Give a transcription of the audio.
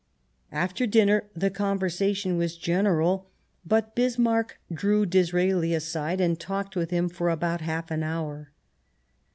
After dinner the conversation was general ; but Bismarck drew Disraeli aside and talked with him for about half an hour.